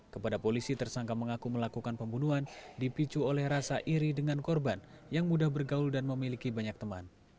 kepada polisi tersangka mengaku melakukan pembunuhan dipicu oleh rasa iri dengan korban yang mudah bergaul dan memiliki banyak teman